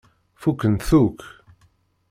Fukkent-t akk.